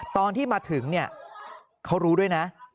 ตอนที่มาถึงเนี่ยเขารู้ด้วยนะ